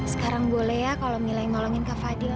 sekarang boleh ya kalau mila yang nolongin kak fadil